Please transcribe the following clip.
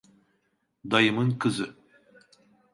Dayımın kızı…